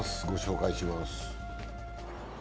ご紹介します。